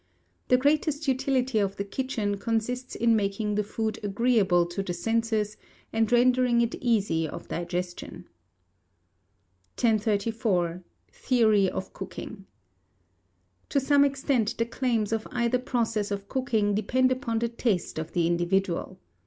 The greatest utility of the kitchen consists in making the food agreeable to the senses, and rendering it easy of digestion." 1034. Theory of Cooking. To some extent the claims of either process of cooking depend upon the taste of the individual.